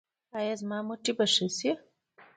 ایا زما مټې به ښې شي؟